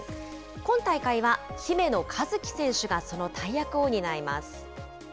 今大会は姫野和樹選手がその大役を担います。